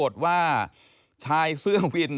ไม่รู้ว่าใครชกต่อยกันอยู่แล้วอะนะคะ